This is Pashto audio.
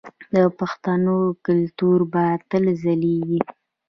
د پښتنو کلتور به تل ځلیږي.